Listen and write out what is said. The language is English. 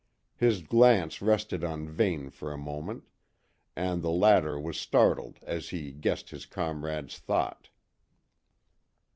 His glance rested on Vane for a moment, and the latter was startled as he guessed his comrade's thought.